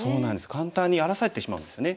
簡単に荒らされてしまうんですよね。